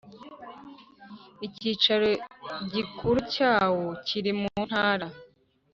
Icyicaro gikuru cyawo kiri mu Ntara